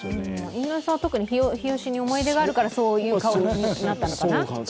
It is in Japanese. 井上さんは特に日吉に思い出があるからそういう顔になったのかな？